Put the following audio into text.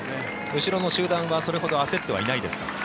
後ろの集団はそれほど焦ってはいないですか。